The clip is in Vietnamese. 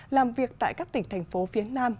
làm việc tại các tỉnh thành phố phía nam